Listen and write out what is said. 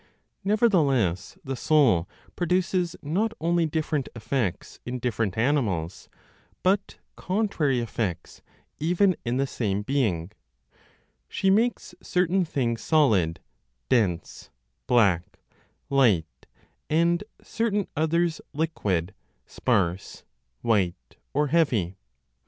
Nevertheless, the soul produces not only different effects in different animals, but contrary effects even in the same being; she makes certain things solid, dense, black, light, and certain others liquid, sparse, white, or heavy.